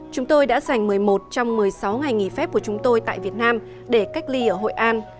chúng tôi đã dành một mươi một trong một mươi sáu ngày nghỉ phép của chúng tôi tại việt nam để cách ly ở hội an